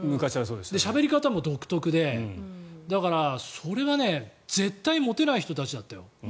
しゃべり方も独特でだから、それは絶対モテない人たちだったよ。